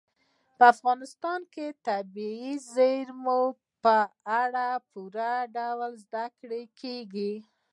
په افغانستان کې د طبیعي زیرمو په اړه په پوره ډول زده کړه کېږي.